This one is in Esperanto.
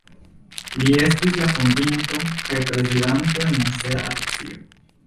Li estis la fondinto kaj prezidanto de muzea asocio.